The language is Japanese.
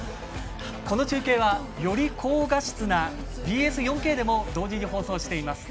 この中継はより高画質なＢＳ４Ｋでも同時に放送しています。